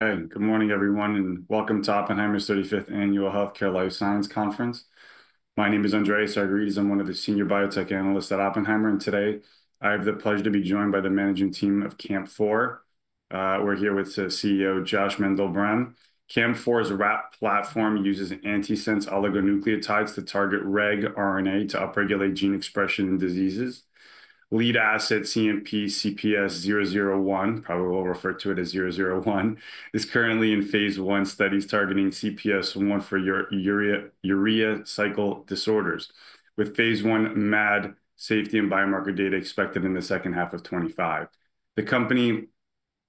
Good morning, everyone, and welcome to Oppenheimer's 35th Annual Healthcare Life Science Conference. My name is Andreas Argyrides. I'm one of the Senior Biotech Analysts at Oppenheimer, and today I have the pleasure to be joined by the managing team of CAMP4. We're here with CEO Josh Mandel-Brehm. CAMP4's RAP Platform uses antisense oligonucleotides to target regRNA to upregulate gene expression in diseases. Lead asset CMP-CPS-001, probably we'll refer to it as 001, is currently in phase one studies targeting CPS1 for urea cycle disorders, with phase one MAD safety and biomarker data expected in the second half of 2025. The company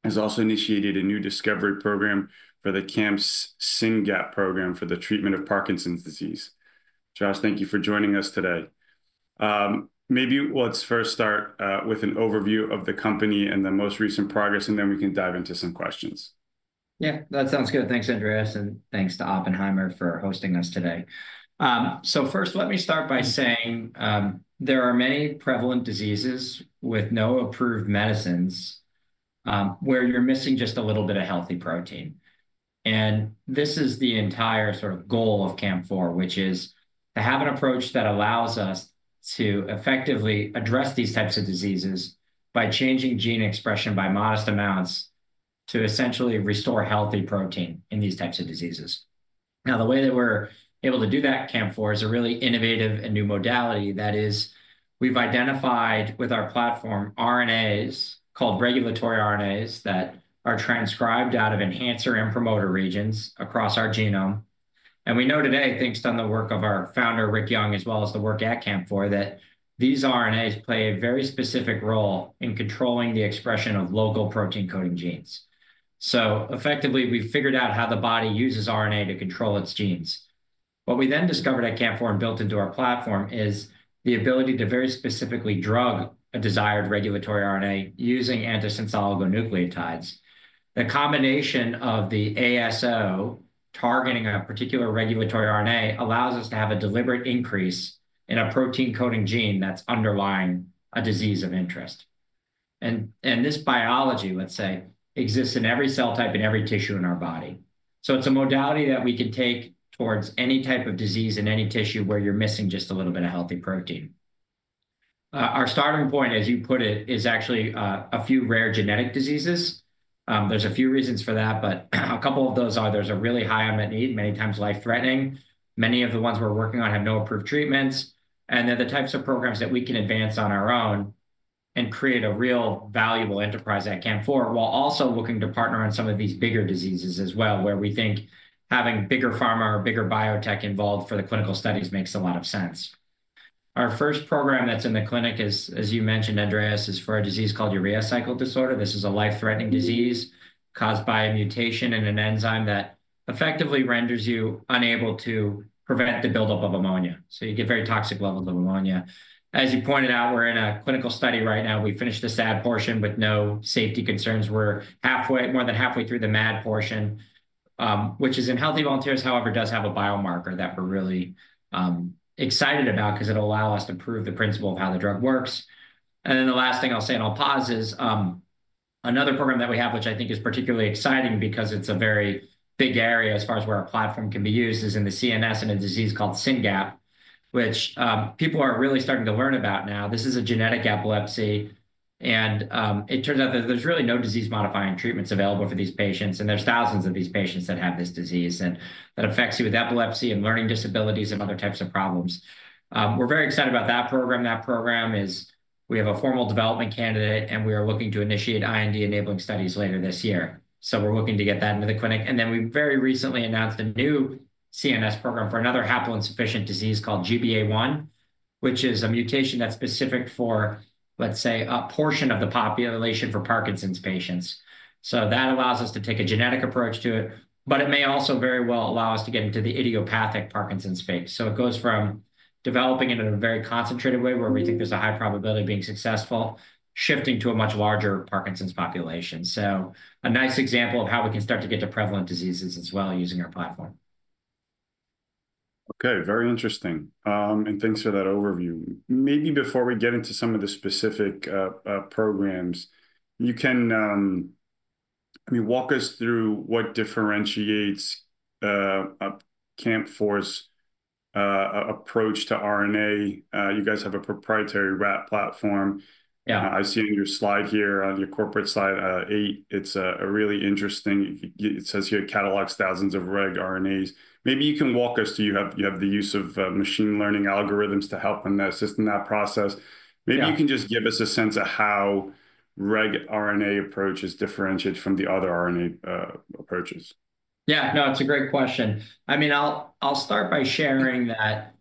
has also initiated a new discovery program for the CAMP4 SYNGAP1 program for the treatment of Parkinson's disease. Josh, thank you for joining us today. Maybe let's first start with an overview of the company and the most recent progress, and then we can dive into some questions. Yeah, that sounds good. Thanks, Andreas, and thanks to Oppenheimer for hosting us today. First, let me start by saying there are many prevalent diseases with no approved medicines where you're missing just a little bit of healthy protein. This is the entire sort of goal of CAMP4, which is to have an approach that allows us to effectively address these types of diseases by changing gene expression by modest amounts to essentially restore healthy protein in these types of diseases. Now, the way that we're able to do that, CAMP4, is a really innovative and new modality that is, we've identified with our platform RNAs called regulatory RNAs that are transcribed out of enhancer and promoter regions across our genome. We know today, thanks to the work of our founder, Rick Young, as well as the work at CAMP4, that these RNAs play a very specific role in controlling the expression of local protein-coding genes. Effectively, we've figured out how the body uses RNA to control its genes. What we then discovered at CAMP4 and built into our platform is the ability to very specifically drug a desired regulatory RNA using antisense oligonucleotides. The combination of the ASO targeting a particular regulatory RNA allows us to have a deliberate increase in a protein-coding gene that's underlying a disease of interest. This biology, let's say, exists in every cell type and every tissue in our body. It's a modality that we can take towards any type of disease in any tissue where you're missing just a little bit of healthy protein. Our starting point, as you put it, is actually a few rare genetic diseases. There's a few reasons for that, but a couple of those are there's a really high unmet need, many times life-threatening. Many of the ones we're working on have no approved treatments. The types of programs that we can advance on our own and create a real valuable enterprise at CAMP4 while also looking to partner on some of these bigger diseases as well, where we think having bigger pharma or bigger biotech involved for the clinical studies makes a lot of sense. Our first program that's in the clinic is, as you mentioned, Andres, for a disease called urea cycle disorder. This is a life-threatening disease caused by a mutation in an enzyme that effectively renders you unable to prevent the buildup of ammonia. You get very toxic levels of ammonia. As you pointed out, we're in a clinical study right now. We finished the SAD portion with no safety concerns. We're more than halfway through the MAD portion, which is in healthy volunteers, however, does have a biomarker that we're really excited about because it'll allow us to prove the principle of how the drug works. The last thing I'll say and I'll pause is another program that we have, which I think is particularly exciting because it's a very big area as far as where our platform can be used, is in the CNS in a disease called SYNGAP1, which people are really starting to learn about now. This is a genetic epilepsy. It turns out that there's really no disease-modifying treatments available for these patients. There are thousands of these patients that have this disease and that affects you with epilepsy and learning disabilities and other types of problems. We're very excited about that program. That program is we have a formal development candidate, and we are looking to initiate IND-enabling studies later this year. We're looking to get that into the clinic. We very recently announced a new CNS program for another haploinsufficient disease called GBA1, which is a mutation that's specific for, let's say, a portion of the population for Parkinson's patients. That allows us to take a genetic approach to it, but it may also very well allow us to get into the idiopathic Parkinson's space. It goes from developing in a very concentrated way where we think there's a high probability of being successful, shifting to a much larger Parkinson's population. A nice example of how we can start to get to prevalent diseases as well using our platform. Okay, very interesting. Thanks for that overview. Maybe before we get into some of the specific programs, you can walk us through what differentiates CAMP4's approach to RNA. You guys have a proprietary RAP platform. I see on your slide here on your corporate slide eight, it's a really interesting, it says here catalogs thousands of regRNAs. Maybe you can walk us through. You have the use of machine learning algorithms to help in assisting that process. Maybe you can just give us a sense of how regRNA approach is differentiated from the other RNA approaches. Yeah, no, it's a great question. I mean, I'll start by sharing that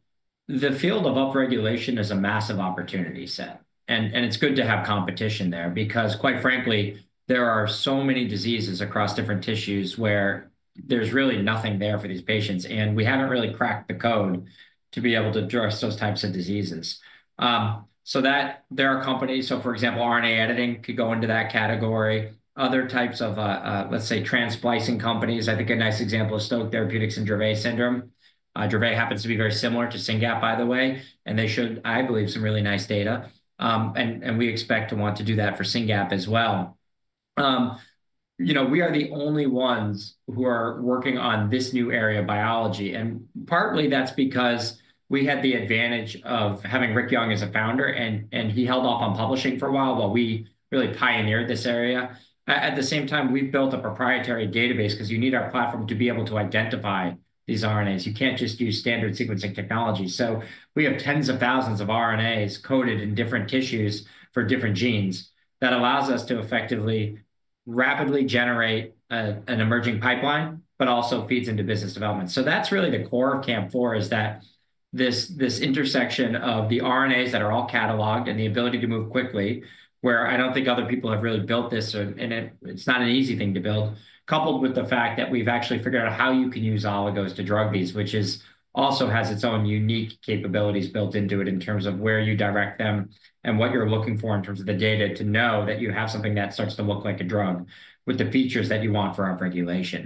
the field of upregulation is a massive opportunity set. It's good to have competition there because, quite frankly, there are so many diseases across different tissues where there's really nothing there for these patients. We haven't really cracked the code to be able to address those types of diseases. There are companies. For example, RNA editing could go into that category. Other types of, let's say, transplicing companies, I think a nice example is Stoke Therapeutics and Dravet Syndrome. Dravet happens to be very similar to SYNGAP1, by the way, and they showed, I believe, some really nice data. We expect to want to do that for SYNGAP1 as well. We are the only ones who are working on this new area of biology. Partly that's because we had the advantage of having Rick Young as a founder, and he held off on publishing for a while while we really pioneered this area. At the same time, we've built a proprietary database because you need our platform to be able to identify these RNAs. You can't just use standard sequencing technology. We have tens of thousands of RNAs coded in different tissues for different genes that allows us to effectively rapidly generate an emerging pipeline, but also feeds into business development. That's really the core of CAMP4 is that this intersection of the RNAs that are all cataloged and the ability to move quickly, where I don't think other people have really built this, and it's not an easy thing to build, coupled with the fact that we've actually figured out how you can use oligos to drug these, which also has its own unique capabilities built into it in terms of where you direct them and what you're looking for in terms of the data to know that you have something that starts to look like a drug with the features that you want for upregulation.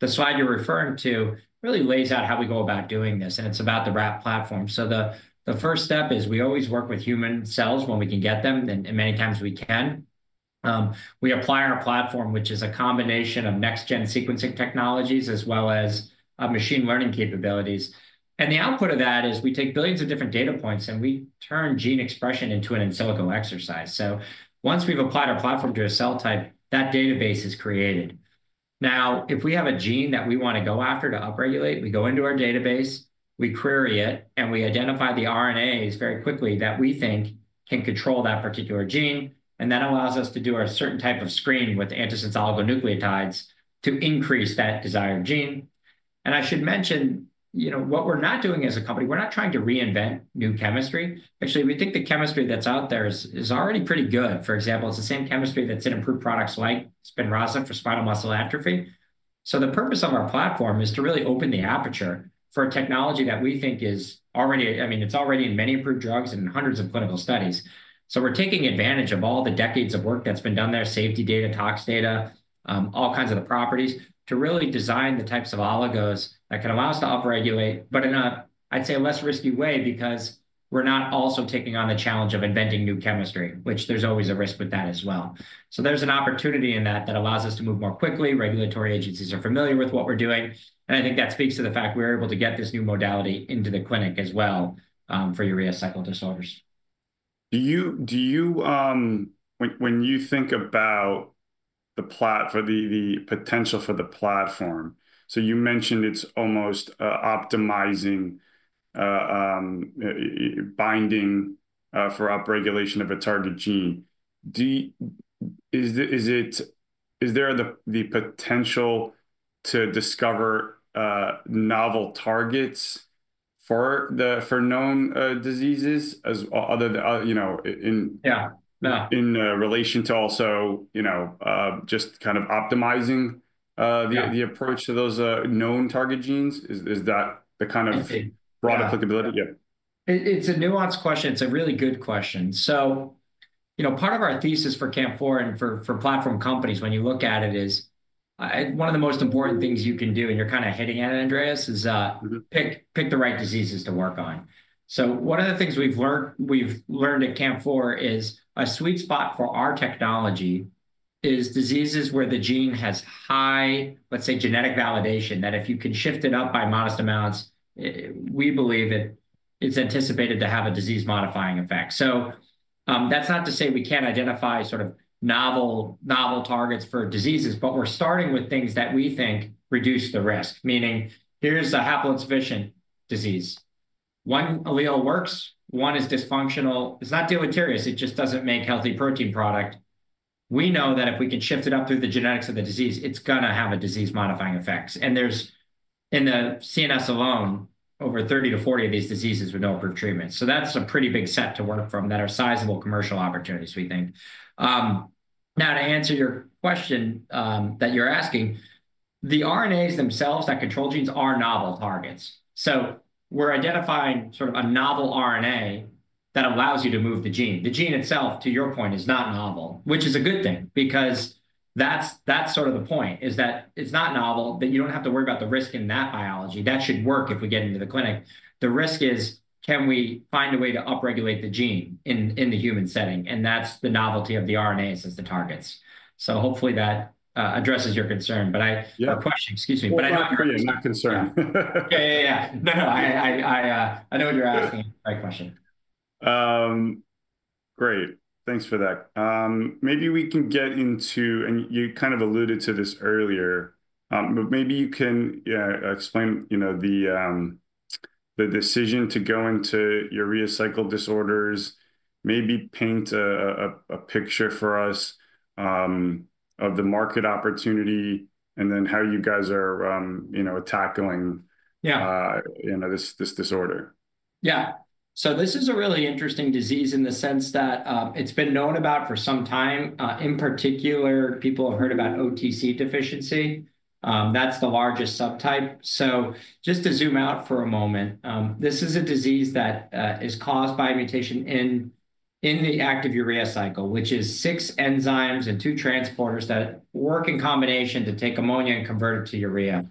The slide you're referring to really lays out how we go about doing this. It's about the wrap platform. The first step is we always work with human cells when we can get them, and many times we can. We apply our platform, which is a combination of next-gen sequencing technologies as well as machine learning capabilities. The output of that is we take billions of different data points and we turn gene expression into an in silico exercise. Once we've applied our platform to a cell type, that database is created. Now, if we have a gene that we want to go after to upregulate, we go into our database, we query it, and we identify the RNAs very quickly that we think can control that particular gene. That allows us to do a certain type of screen with antisense oligonucleotides to increase that desired gene. I should mention, what we're not doing as a company, we're not trying to reinvent new chemistry. Actually, we think the chemistry that's out there is already pretty good. For example, it's the same chemistry that's in approved products like Spinraza for spinal muscular atrophy. The purpose of our platform is to really open the aperture for a technology that we think is already, I mean, it's already in many approved drugs and in hundreds of clinical studies. We're taking advantage of all the decades of work that's been done there, safety data, tox data, all kinds of the properties to really design the types of oligos that can allow us to upregulate, but in a, I'd say, less risky way because we're not also taking on the challenge of inventing new chemistry, which there's always a risk with that as well. There is an opportunity in that that allows us to move more quickly. Regulatory agencies are familiar with what we're doing. I think that speaks to the fact we're able to get this new modality into the clinic as well for urea cycle disorders. Do you, when you think about the potential for the platform, you mentioned it's almost optimizing binding for upregulation of a target gene. Is there the potential to discover novel targets for known diseases other than in relation to also just kind of optimizing the approach to those known target genes? Is that the kind of broad applicability? It's a nuanced question. It's a really good question. Part of our thesis for CAMP4 and for platform companies, when you look at it, is one of the most important things you can do, and you're kind of hitting at it, Andres, is pick the right diseases to work on. One of the things we've learned at CAMP4 is a sweet spot for our technology is diseases where the gene has high, let's say, genetic validation that if you can shift it up by modest amounts, we believe it's anticipated to have a disease-modifying effect. That's not to say we can't identify sort of novel targets for diseases, but we're starting with things that we think reduce the risk, meaning here's a haploinsufficient disease. One allele works. One is dysfunctional. It's not deleterious. It just doesn't make healthy protein product. We know that if we can shift it up through the genetics of the disease, it's going to have a disease-modifying effects. There's, in the CNS alone, over 30-40 of these diseases with no approved treatment. That's a pretty big set to work from that are sizable commercial opportunities, we think. Now, to answer your question that you're asking, the RNAs themselves that control genes are novel targets. We're identifying sort of a novel RNA that allows you to move the gene. The gene itself, to your point, is not novel, which is a good thing because that's sort of the point, that it's not novel, that you don't have to worry about the risk in that biology. That should work if we get into the clinic. The risk is, can we find a way to upregulate the gene in the human setting? That's the novelty of the RNAs as the targets. Hopefully that addresses your concern. For question, excuse me. Not concerned. Yeah, I know what you're asking. Right question. Great. Thanks for that. Maybe we can get into, and you kind of alluded to this earlier, but maybe you can explain the decision to go into urea cycle disorders, maybe paint a picture for us of the market opportunity, and then how you guys are tackling this disorder. Yeah. This is a really interesting disease in the sense that it's been known about for some time. In particular, people have heard about OTC deficiency. That's the largest subtype. Just to zoom out for a moment, this is a disease that is caused by a mutation in the active urea cycle, which is six enzymes and two transporters that work in combination to take ammonia and convert it to urea.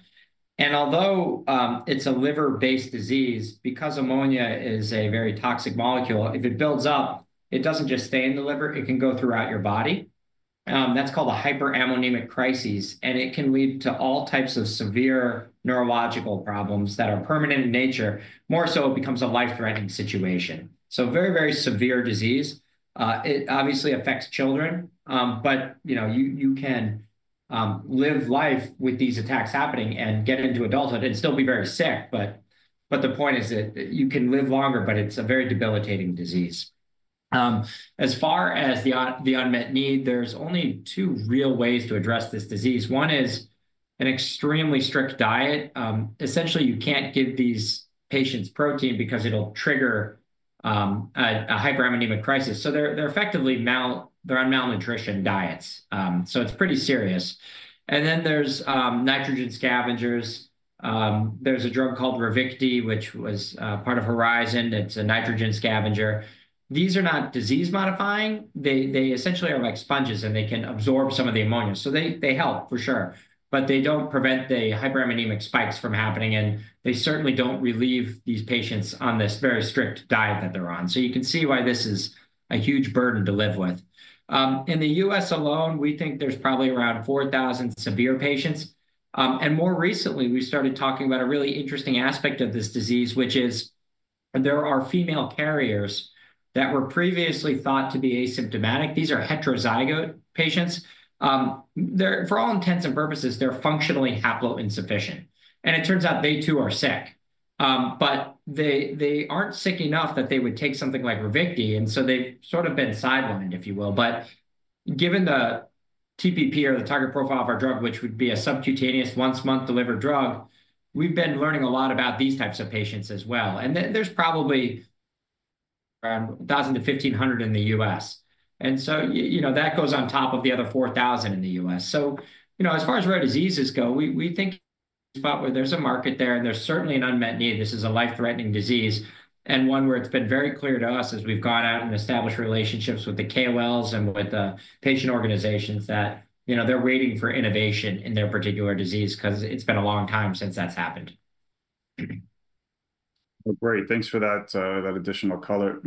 Although it's a liver-based disease, because ammonia is a very toxic molecule, if it builds up, it doesn't just stay in the liver. It can go throughout your body. That's called a hyperammonemic crisis. It can lead to all types of severe neurological problems that are permanent in nature. More so, it becomes a life-threatening situation. Very, very severe disease. It obviously affects children, but you can live life with these attacks happening and get into adulthood and still be very sick. The point is that you can live longer, but it is a very debilitating disease. As far as the unmet need, there are only two real ways to address this disease. One is an extremely strict diet. Essentially, you cannot give these patients protein because it will trigger a hyperammonemic crisis. They are effectively on malnutrition diets. It is pretty serious. There are nitrogen scavengers. There is a drug called Ravicti, which was part of Horizon. It is a nitrogen scavenger. These are not disease-modifying. They essentially are like sponges, and they can absorb some of the ammonia. They help, for sure, but they do not prevent the hyperammonemic spikes from happening. They certainly do not relieve these patients on this very strict diet that they are on. You can see why this is a huge burden to live with. In the U.S. alone, we think there's probably around 4,000 severe patients. More recently, we started talking about a really interesting aspect of this disease, which is there are female carriers that were previously thought to be asymptomatic. These are heterozygote patients. For all intents and purposes, they're functionally haplo-insufficient. It turns out they too are sick. They aren't sick enough that they would take something like Ravicti. They've sort of been sidelined, if you will. Given the TPP or the target profile of our drug, which would be a subcutaneous once-month delivered drug, we've been learning a lot about these types of patients as well. There's probably around 1,000-1,500 in the U.S. That goes on top of the other 4,000 in the U.S. As far as rare diseases go, we think there's a market there, and there's certainly an unmet need. This is a life-threatening disease. One where it's been very clear to us as we've gone out and established relationships with the KOLs and with the patient organizations that they're waiting for innovation in their particular disease because it's been a long time since that's happened. Great. Thanks for that additional color.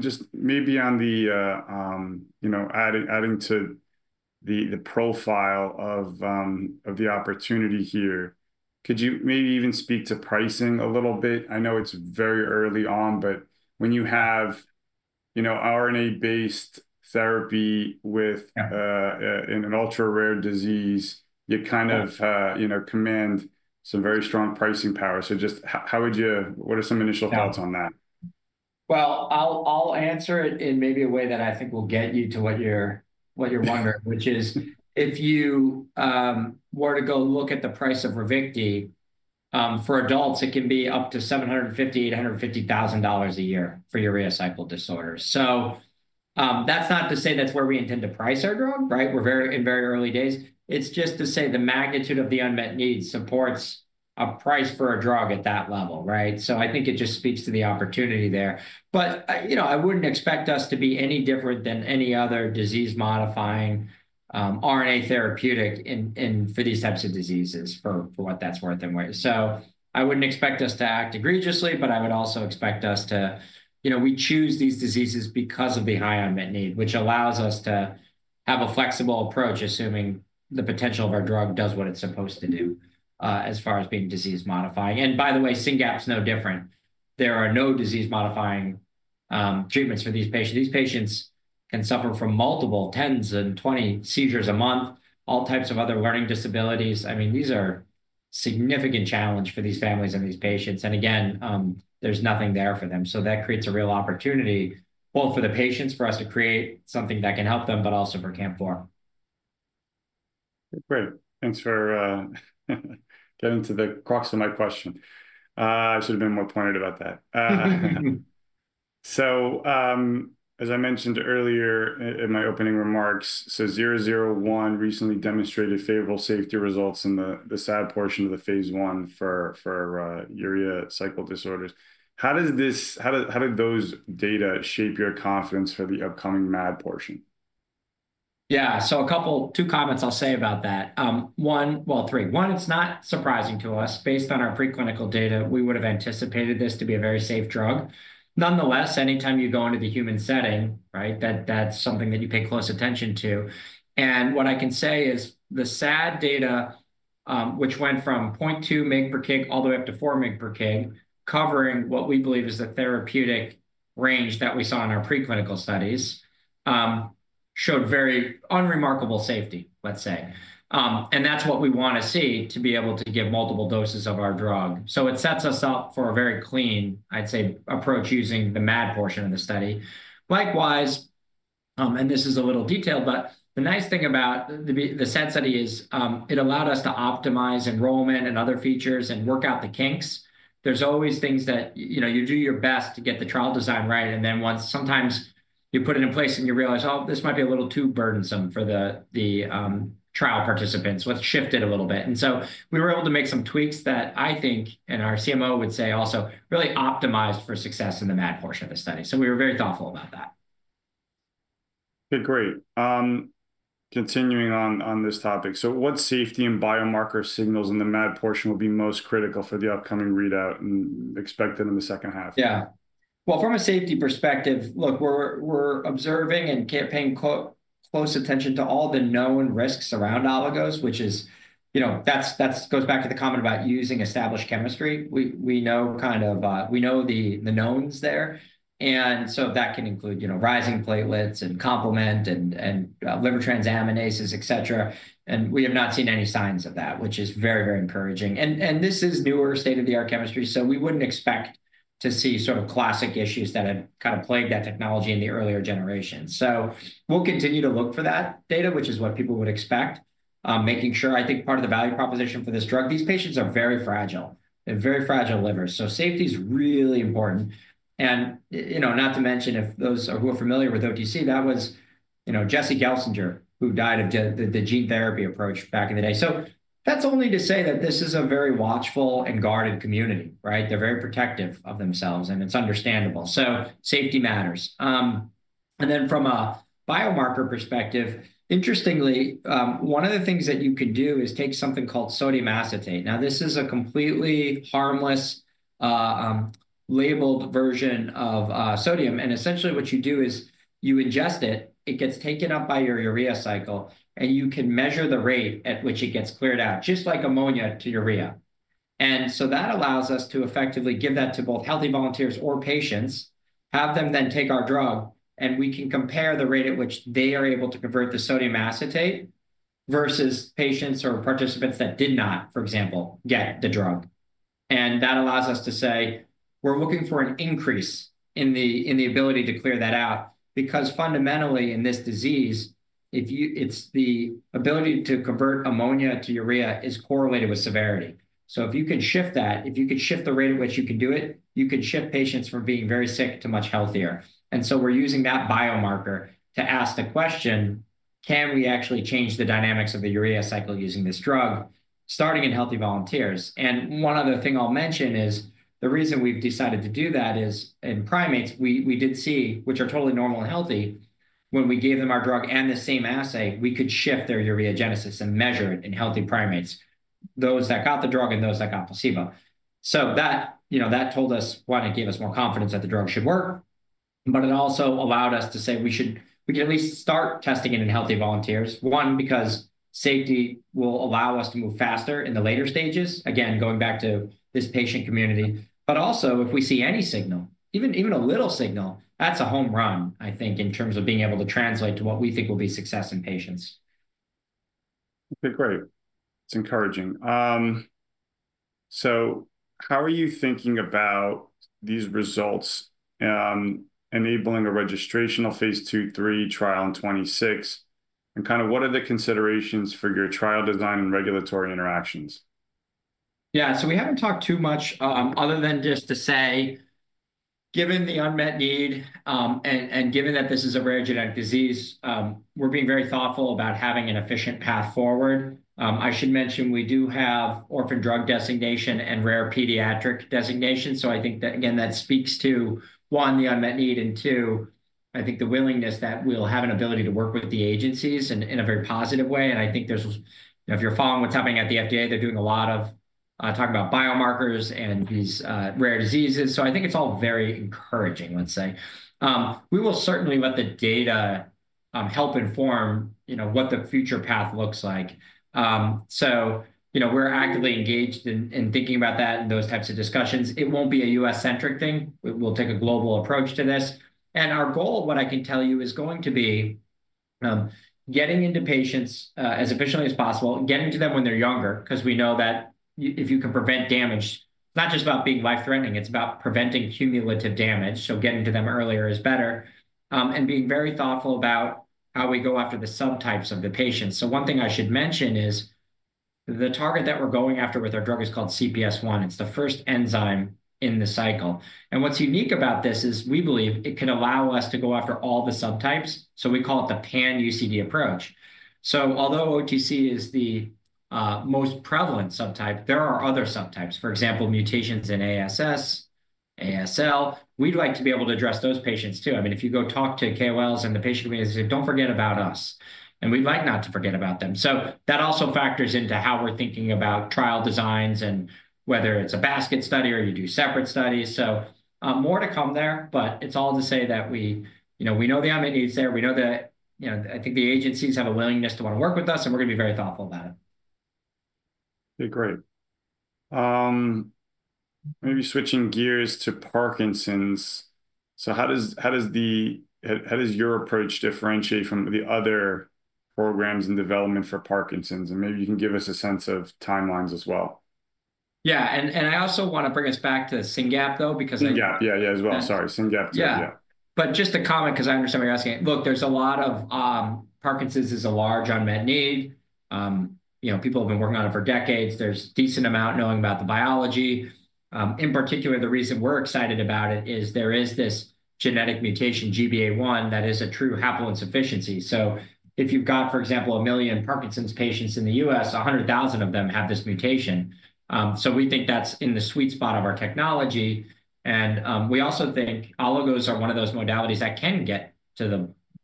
Just maybe adding to the profile of the opportunity here, could you maybe even speak to pricing a little bit? I know it's very early on, but when you have RNA-based therapy in an ultra-rare disease, you kind of command some very strong pricing power. Just what are some initial thoughts on that? I'll answer it in maybe a way that I think will get you to what you're wondering, which is if you were to go look at the price of Ravicti, for adults, it can be up to $750,000-$850,000 a year for urea cycle disorders. That's not to say that's where we intend to price our drug, right? We're in very early days. It's just to say the magnitude of the unmet need supports a price for a drug at that level, right? I think it just speaks to the opportunity there. I wouldn't expect us to be any different than any other disease-modifying RNA therapeutic for these types of diseases, for what that's worth in ways. I wouldn't expect us to act egregiously, but I would also expect us to, we choose these diseases because of the high unmet need, which allows us to have a flexible approach, assuming the potential of our drug does what it's supposed to do as far as being disease-modifying. By the way, SYNGAP1's no different. There are no disease-modifying treatments for these patients. These patients can suffer from multiple, tens and 20 seizures a month, all types of other learning disabilities. I mean, these are significant challenges for these families and these patients. Again, there's nothing there for them. That creates a real opportunity, both for the patients, for us to create something that can help them, but also for CAMP4. Great. Thanks for getting to the crux of my question. I should have been more pointed about that. As I mentioned earlier in my opening remarks, 001 recently demonstrated favorable safety results in the SAD portion of the phase one for urea cycle disorders. How did those data shape your confidence for the upcoming MAD portion? Yeah. Two comments I'll say about that. Well, three. One, it's not surprising to us. Based on our preclinical data, we would have anticipated this to be a very safe drug. Nonetheless, anytime you go into the human setting, that's something that you pay close attention to. What I can say is the SAD data, which went from 0.2 mg per kg all the way up to 4 mg per kg, covering what we believe is the therapeutic range that we saw in our preclinical studies, showed very unremarkable safety, let's say. That's what we want to see to be able to give multiple doses of our drug. It sets us up for a very clean, I'd say, approach using the MAD portion of the study. Likewise, and this is a little detailed, but the nice thing about the SAD study is it allowed us to optimize enrollment and other features and work out the kinks. There's always things that you do your best to get the trial design right. Then sometimes you put it in place and you realize, oh, this might be a little too burdensome for the trial participants. Let's shift it a little bit. We were able to make some tweaks that I think, and our CMO would say also, really optimized for success in the MAD portion of the study. We were very thoughtful about that. Great. Continuing on this topic. What safety and biomarker signals in the MAD portion will be most critical for the upcoming readout and expected in the second half? Yeah. From a safety perspective, look, we're observing and paying close attention to all the known risks around oligos, which goes back to the comment about using established chemistry. We know the knowns there. That can include rising platelets and complement and liver transaminases, etc. We have not seen any signs of that, which is very, very encouraging. This is newer state-of-the-art chemistry. We wouldn't expect to see sort of classic issues that had kind of plagued that technology in the earlier generations. We'll continue to look for that data, which is what people would expect, making sure, I think, part of the value proposition for this drug. These patients are very fragile. They have very fragile livers. Safety is really important. Not to mention, if those who are familiar with OTC, that was Jesse Gelsinger, who died of the gene therapy approach back in the day. That is only to say that this is a very watchful and guarded community, right? They are very protective of themselves, and it is understandable. Safety matters. From a biomarker perspective, interestingly, one of the things that you can do is take something called sodium acetate. This is a completely harmless labeled version of sodium. Essentially, what you do is you ingest it. It gets taken up by your urea cycle, and you can measure the rate at which it gets cleared out, just like ammonia to urea. That allows us to effectively give that to both healthy volunteers or patients, have them then take our drug, and we can compare the rate at which they are able to convert the sodium acetate versus patients or participants that did not, for example, get the drug. That allows us to say, we're looking for an increase in the ability to clear that out because fundamentally in this disease, it's the ability to convert ammonia to urea that is correlated with severity. If you can shift that, if you could shift the rate at which you can do it, you could shift patients from being very sick to much healthier. We are using that biomarker to ask the question, can we actually change the dynamics of the urea cycle using this drug, starting in healthy volunteers? One other thing I'll mention is the reason we've decided to do that is in primates, we did see, which are totally normal and healthy, when we gave them our drug and the same assay, we could shift their ureogenesis and measure it in healthy primates, those that got the drug and those that got placebo. That told us, one, it gave us more confidence that the drug should work. It also allowed us to say we could at least start testing it in healthy volunteers, one, because safety will allow us to move faster in the later stages, again, going back to this patient community. Also, if we see any signal, even a little signal, that's a home run, I think, in terms of being able to translate to what we think will be success in patients. Okay, great. It's encouraging. How are you thinking about these results enabling a registration of phase two, three trial in 2026? What are the considerations for your trial design and regulatory interactions? Yeah. We haven't talked too much other than just to say, given the unmet need and given that this is a rare genetic disease, we're being very thoughtful about having an efficient path forward. I should mention we do have orphan drug designation and rare pediatric designation. I think that, again, that speaks to, one, the unmet need and two, I think the willingness that we'll have an ability to work with the agencies in a very positive way. I think if you're following what's happening at the FDA, they're doing a lot of talking about biomarkers and these rare diseases. I think it's all very encouraging, let's say. We will certainly let the data help inform what the future path looks like. We're actively engaged in thinking about that and those types of discussions. It won't be a U.S.-centric thing. We'll take a global approach to this. Our goal, what I can tell you, is going to be getting into patients as efficiently as possible, getting to them when they're younger because we know that if you can prevent damage, it's not just about being life-threatening. It's about preventing cumulative damage. Getting to them earlier is better and being very thoughtful about how we go after the subtypes of the patients. One thing I should mention is the target that we're going after with our drug is called CPS1. It's the first enzyme in the cycle. What's unique about this is we believe it can allow us to go after all the subtypes. We call it the pan-UCD approach. Although OTC is the most prevalent subtype, there are other subtypes, for example, mutations in ASS, ASL. We'd like to be able to address those patients too. I mean, if you go talk to KOLs and the patient community, they say, "Don't forget about us." We'd like not to forget about them. That also factors into how we're thinking about trial designs and whether it's a basket study or you do separate studies. More to come there, but it's all to say that we know the unmet needs there. We know that I think the agencies have a willingness to want to work with us, and we're going to be very thoughtful about it. Okay, great. Maybe switching gears to Parkinson's. How does your approach differentiate from the other programs in development for Parkinson's? Maybe you can give us a sense of timelines as well. Yeah. I also want to bring us back to SYNGAP1, though, because I. SYNGAP, yeah, yeah, as well. Sorry. SYNGAP too, yeah. Yeah. Just a comment because I understand what you're asking. Look, there's a lot of Parkinson's, it is a large unmet need. People have been working on it for decades. There's a decent amount known about the biology. In particular, the reason we're excited about it is there is this genetic mutation, GBA1, that is a true haploinsufficiency. If you've got, for example, a million Parkinson's patients in the U.S., 100,000 of them have this mutation. We think that's in the sweet spot of our technology. We also think oligos are one of those modalities that can get to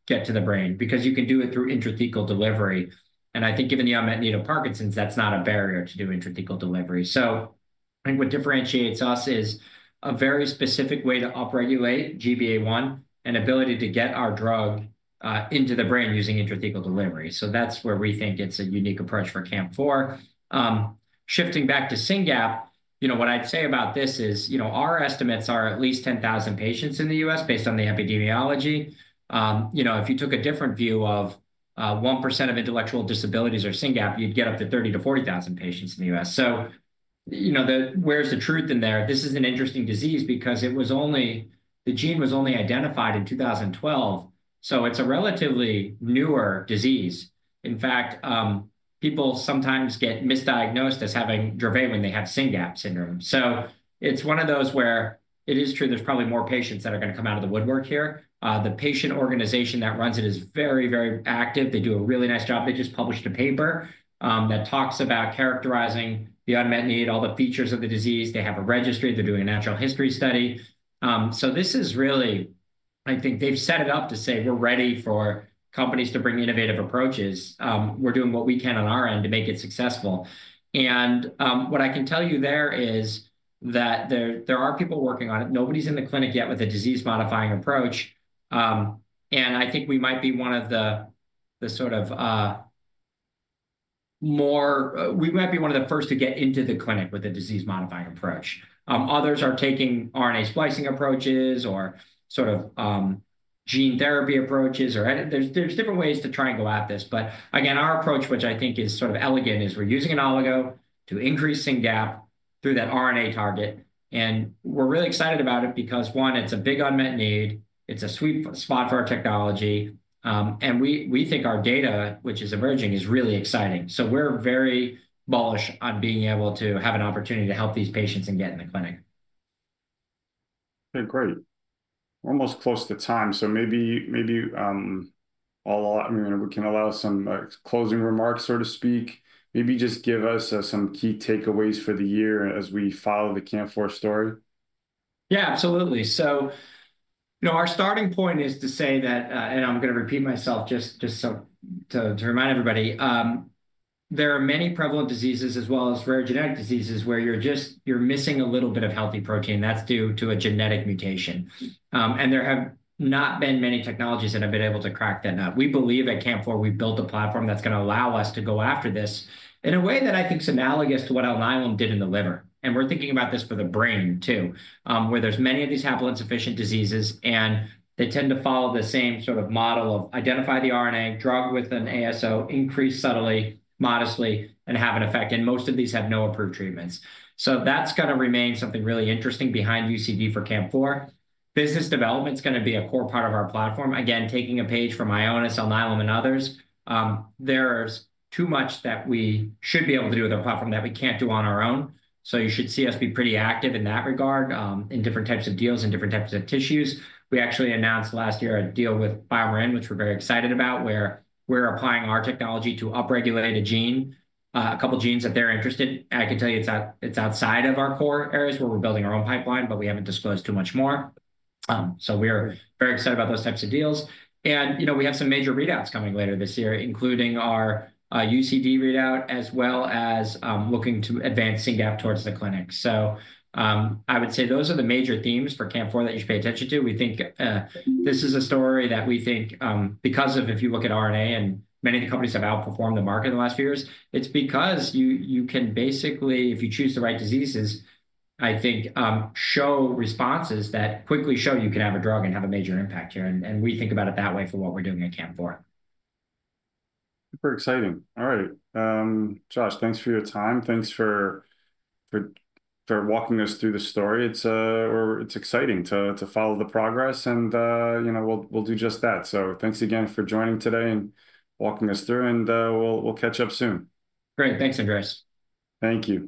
the brain because you can do it through intrathecal delivery. I think given the unmet need of Parkinson's, that's not a barrier to do intrathecal delivery. I think what differentiates us is a very specific way to upregulate GBA1 and ability to get our drug into the brain using intrathecal delivery. That's where we think it's a unique approach for CAMP4. Shifting back to SYNGAP1, what I'd say about this is our estimates are at least 10,000 patients in the U.S. based on the epidemiology. If you took a different view of 1% of intellectual disabilities or SYNGAP1, you'd get up to 30,000-40,000 patients in the U.S. Where's the truth in there? This is an interesting disease because the gene was only identified in 2012. It's a relatively newer disease. In fact, people sometimes get misdiagnosed as having Dravet when they have SYNGAP1 syndrome. It's one of those where it is true there's probably more patients that are going to come out of the woodwork here. The patient organization that runs it is very, very active. They do a really nice job. They just published a paper that talks about characterizing the unmet need, all the features of the disease. They have a registry. They're doing a natural history study. This is really, I think they've set it up to say, "We're ready for companies to bring innovative approaches. We're doing what we can on our end to make it successful." What I can tell you there is that there are people working on it. Nobody's in the clinic yet with a disease-modifying approach. I think we might be one of the sort of more, we might be one of the first to get into the clinic with a disease-modifying approach. Others are taking RNA splicing approaches or sort of gene therapy approaches. There's different ways to try and go at this. Again, our approach, which I think is sort of elegant, is we're using an oligo to increase SYNGAP1 through that RNA target. We're really excited about it because, one, it's a big unmet need. It's a sweet spot for our technology. We think our data, which is emerging, is really exciting. We're very bullish on being able to have an opportunity to help these patients and get in the clinic. Okay, great. We're almost close to time. Maybe we can allow some closing remarks, so to speak. Maybe just give us some key takeaways for the year as we follow the CAMP4 story. Yeah, absolutely. Our starting point is to say that, and I'm going to repeat myself just to remind everybody, there are many prevalent diseases as well as rare genetic diseases where you're missing a little bit of healthy protein. That's due to a genetic mutation. There have not been many technologies that have been able to crack that nut. We believe at CAMP4, we've built a platform that's going to allow us to go after this in a way that I think is analogous to what Alnylam did in the liver. We're thinking about this for the brain too, where there's many of these haploinsufficient diseases, and they tend to follow the same sort of model of identify the RNA, drug with an ASO, increase subtly, modestly, and have an effect. Most of these have no approved treatments. That's going to remain something really interesting behind UCD for CAMP4. Business development is going to be a core part of our platform. Again, taking a page from Ionis, Alnylam, and others, there's too much that we should be able to do with our platform that we can't do on our own. You should see us be pretty active in that regard in different types of deals and different types of tissues. We actually announced last year a deal with BioMarin, which we're very excited about, where we're applying our technology to upregulate a gene, a couple of genes that they're interested in. I can tell you it's outside of our core areas where we're building our own pipeline, but we haven't disclosed too much more. We are very excited about those types of deals. We have some major readouts coming later this year, including our UCD readout as well as looking to advance SYNGAP1 towards the clinic. I would say those are the major themes for CAMP4 that you should pay attention to. We think this is a story that we think because of, if you look at RNA and many of the companies have outperformed the market in the last few years, it's because you can basically, if you choose the right diseases, I think show responses that quickly show you can have a drug and have a major impact here. We think about it that way for what we're doing at CAMP4. Super exciting. All right. Josh, thanks for your time. Thanks for walking us through the story. It's exciting to follow the progress, and we'll do just that. Thanks again for joining today and walking us through, and we'll catch up soon. Great. Thanks, Andreas. Thank you.